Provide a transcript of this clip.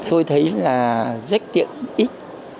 tôi thấy là rất tiện ích